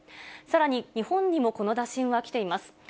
さらに、日本にもこの打診は来ています。